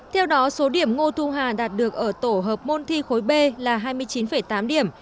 theo đó số điểm ngô thu hà đạt được ở tổ hợp môn thi khối b là hai mươi chín tám điểm